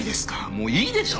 もういいでしょ！